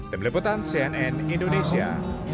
demi leputan cnn indonesia